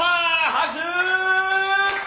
拍手！